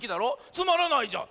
つまらないじゃん。